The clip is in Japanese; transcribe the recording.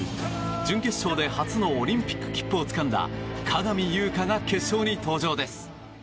準決勝で初のオリンピック切符をつかんだ鏡優翔が決勝に登場です。